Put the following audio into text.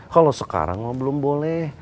kalau sekarang mah belum boleh